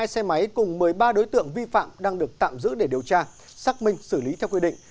hai xe máy cùng một mươi ba đối tượng vi phạm đang được tạm giữ để điều tra xác minh xử lý theo quy định